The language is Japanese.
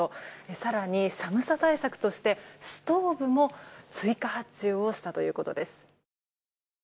更に、寒さ対策としてストーブも追加発注をしたということです。